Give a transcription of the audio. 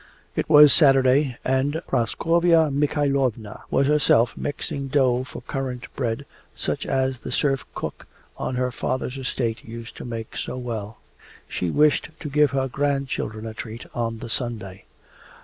It was a Saturday, and Praskovya Mikhaylovna was herself mixing dough for currant bread such as the serf cook on her father's estate used to make so well. She wished to give her grandchildren a treat on the Sunday.